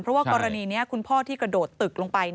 เพราะว่ากรณีนี้คุณพ่อที่กระโดดตึกลงไป